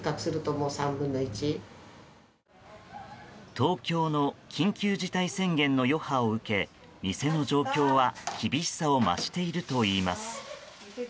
東京の緊急事態宣言の余波を受け店の状況は厳しさを増しているといいます。